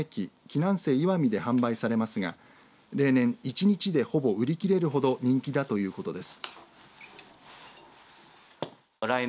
なんせ岩美で販売されますが例年、１日でほぼ売り切れるほど人気だということです。